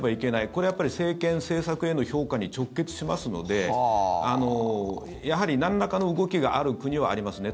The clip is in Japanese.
これは政権、政策への評価に直結しますのでやはりなんらかの動きがある国はありますね。